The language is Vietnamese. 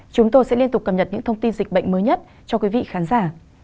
chúng tôi sẽ liên tục cập nhật những thông tin dịch bệnh mới nhất cho quý vị khán giả